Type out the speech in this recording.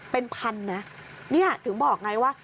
เป็นพันนะเนี่ยถึงบอกไงว่า